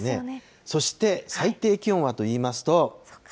そして最低気温はといいますと。